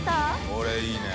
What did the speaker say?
これいいね。